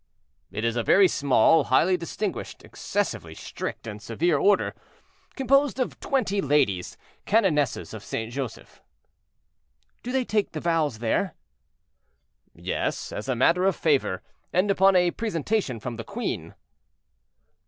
"It is a very small, highly distinguished, excessively strict, and severe order, composed of twenty ladies, canonesses of Saint Joseph." "Do they take the vows there?" "Yes, as a matter of favor, and upon a presentation from the queen."